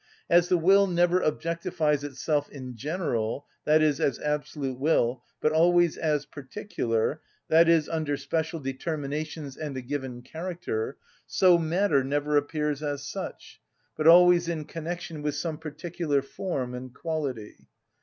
As the will never objectifies itself as general, i.e., as absolute will, but always as particular, i.e., under special determinations and a given character, so matter never appears as such, but always in connection with some particular form and quality.